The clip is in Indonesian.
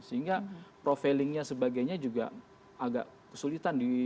sehingga profilingnya sebagainya juga agak kesulitan